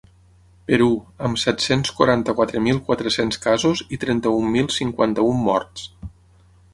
Perú, amb set-cents quaranta-quatre mil quatre-cents casos i trenta-un mil cinquanta-un morts.